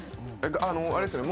あれですよね。